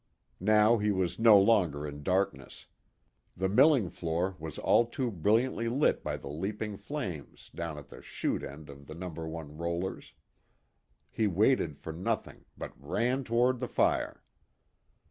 Now he was no longer in darkness. The milling floor was all too brilliantly lit by the leaping flames down at the "shoot" end of the No. 1 rollers. He waited for nothing, but ran toward the fire.